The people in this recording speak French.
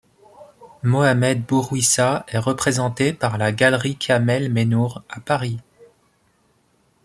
Mohamed Bourouissa est représenté par la galerie Kamel Mennour à Paris.